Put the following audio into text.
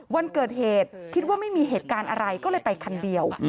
วันเกิดเหตุคิดว่าไม่มีเหตุการณ์อะไรก็เลยไปคันเดียว